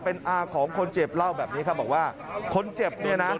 เป็นอาของคนเจ็บเล่าแบบนี้ครับบอกว่าคนเจ็บเนี่ยนะ